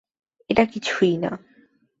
এটা কিছুই না।